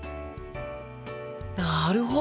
なるほど！